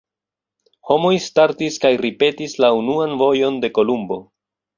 Homoj startis kaj ripetis la unuan vojon de Kolumbo.